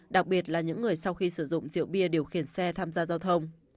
đặc biệt là những người sau khi sử dụng rượu bia điều khiển xe tham gia giao thông